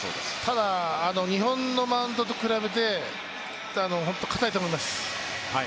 ただ、日本のマウンドと比べて固いと思います。